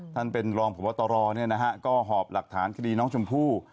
ท่านเป็นรองผู้บัตรรอเนี่ยนะฮะก็หอบหลักฐานคดีน้องชมพู่